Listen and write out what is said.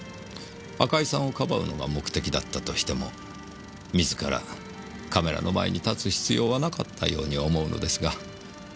赤井さんを庇うのが目的だったとしても自らカメラの前に立つ必要はなかったように思うのですが。